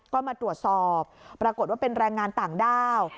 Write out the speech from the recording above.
ก็มาตรวจสอบปรากฏว่าเป็นแรงงานต่างด้าว